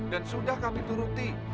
dan sudah kami turuti